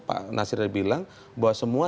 pak nasir bilang bahwa semua